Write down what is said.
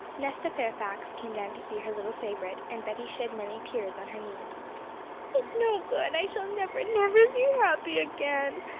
Nesta Fairfax came down to see her little favourite, and Betty shed many tears on her knee. 'It's no good; I shall never, never be happy again!